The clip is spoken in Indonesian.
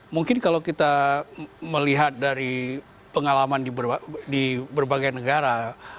mungkin kalau kita melihat dari pengalaman di berbagai negara